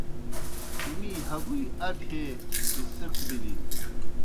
می ہگُوئی اپیْ ہے بِڅِق بِلِن۔